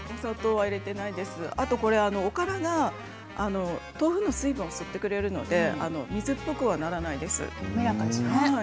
あと、おからがどんどん水分を吸ってくれるので水っぽくはならないです。